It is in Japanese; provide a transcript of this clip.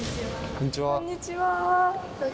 こんにちは。